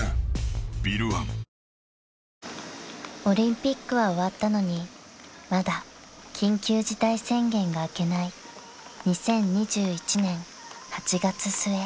［オリンピックは終わったのにまだ緊急事態宣言が明けない２０２１年８月末］